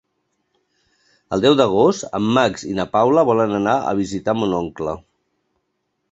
El deu d'agost en Max i na Paula volen anar a visitar mon oncle.